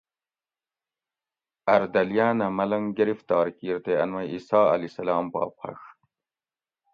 اردلیاۤن اۤ ملنگ گرفتار کیر تے ان مئ عیسٰی علیہ السلام پا پھڛ